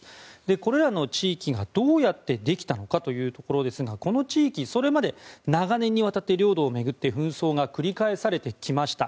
これらの地域がどうやってできたのかというところですがこの地域、それまで長年にわたって領土を巡って紛争が繰り返されてきました。